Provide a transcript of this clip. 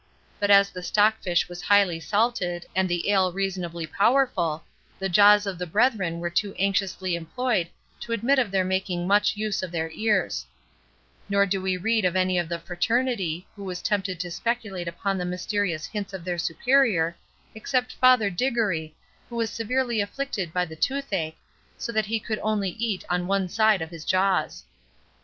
But as the stockfish was highly salted, and the ale reasonably powerful, the jaws of the brethren were too anxiously employed to admit of their making much use of their ears; nor do we read of any of the fraternity, who was tempted to speculate upon the mysterious hints of their Superior, except Father Diggory, who was severely afflicted by the toothache, so that he could only eat on one side of his jaws.